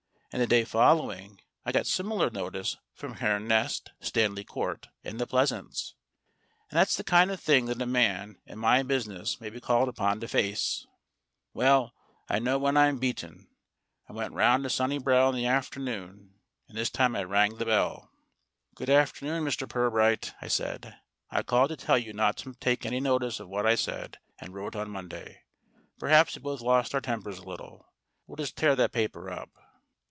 And the day following I got similar notice from Herne Nest, Stanley Court, and The Pleasaunce. And that's the kind of thing that a man in my business may be called upon to face ! Well, I know when I'm beaten. I went round to Sunnibrow in the afternoon, and this time I rang the bell. "Good afternoon, Mr. Pirbright," I said. "I called to tell you not to take any notice of what I said and wrote on Monday. Perhaps we both lost our tempers a little. We'll just tear that paper up."